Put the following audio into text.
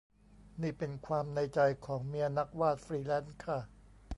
นี่เป็นความในใจของเมียนักวาดฟรีแลนซ์ค่ะ